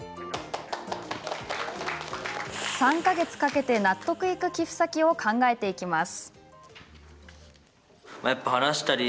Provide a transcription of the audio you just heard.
３か月かけて納得いく寄付先を考えていきます。